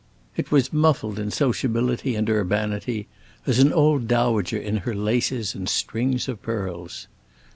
It was muffled in sociability and urbanity, as an old dowager in her laces and strings of pearls.